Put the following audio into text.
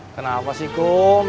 kenapa sih kum